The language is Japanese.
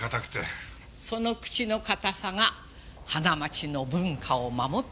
その口の堅さが花街の文化を守っている。